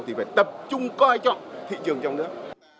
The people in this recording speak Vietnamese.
thì phải tập trung coi trọng thị trường trong nước